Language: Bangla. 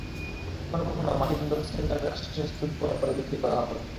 কখনো কখনো মাটি বন্দর সেন্টারের আশপাশে স্তূপ করে পরে বিক্রি করা হতো।